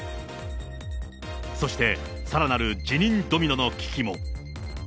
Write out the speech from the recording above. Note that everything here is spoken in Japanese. そして、さらなる辞任ドミノの危機も。